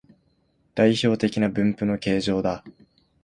代表的な分布の形状だ